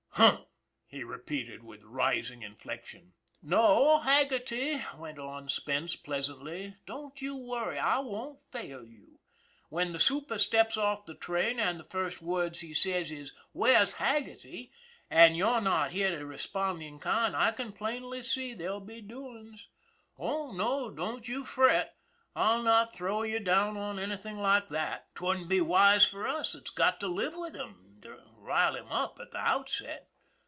" Huh !" he repeated, with rising inflexion. " No, Haggerty," went on Spence pleasantly, " don't you worry. I won't fail you. When the super steps off the train, and the first words he says is, ' Where's Haggerty?' and you're not here to respond in kind I can plainly see there'll be doings. Oh, no, don't you fret, I'll not throw you down on anything like that 'twouldn't be wise for us, that's got to live with him, to rile him up at the outset